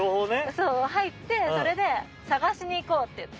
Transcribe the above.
・そう入ってそれでしに行こうっていって。